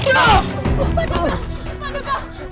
tidak ada yang bisa dikasih